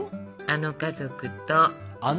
あの家族？